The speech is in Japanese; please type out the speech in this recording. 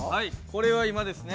これは今ですね